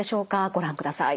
ご覧ください。